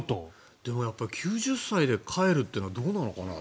でも、９０歳で帰るってどうなのかな。